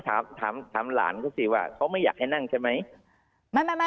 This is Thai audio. ถามหลานเขาสิว่าเขาไม่อยากให้นั่งใช่ไหม